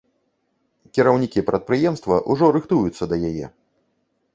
Кіраўнікі прадпрыемства ўжо рыхтуюцца да яе.